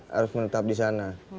harus menetap di sana